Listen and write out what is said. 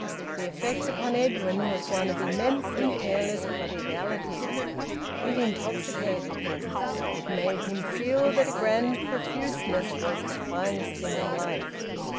The effect upon Edwin was one of immense and careless prodigality; it intoxicated him; it made him feel that a grand profuseness was the finest thing in life.